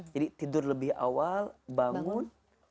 jadi tidur lebih awal bangun